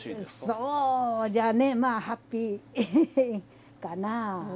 そうじゃねまあハッピーかなあ。